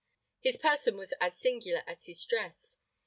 His person was as singular as his dress.